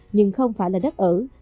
nhưng không phải là đất ở